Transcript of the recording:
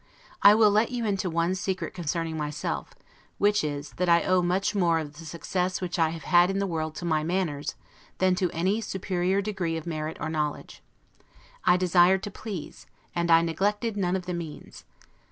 I will let you into one secret concerning myself; which is, that I owe much more of the success which I have had in the world to my manners, than to any superior degree of merit or knowledge. I desired to please, and I neglected none of the means.